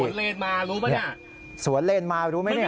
เลนมารู้ป่ะเนี่ยสวนเลนมารู้ไหมเนี่ย